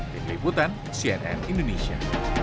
dari liputan cnn indonesia